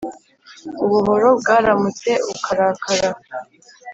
ubuhoro bwaramutse ukarakara.